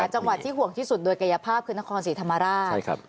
จังหวัดที่ห่วงที่สุดโดยกายภาพคือนครศรีธรรมราช